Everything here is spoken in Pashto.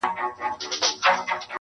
اوس له نړۍ څخه خپه يمه زه.